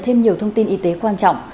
thêm nhiều thông tin y tế quan trọng